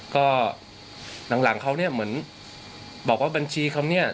ก็หลังเขาเนี่ยเหมือนบอกว่าบัญชีเขาเนี่ย